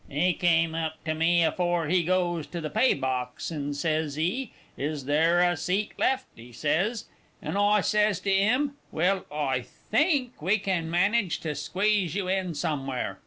He come up to me afore he goes to the pay box, and sez he "Is there a seat left?" he sez. And I sez to 'im, "Well, I think we can manage to squeeze you in somewhere."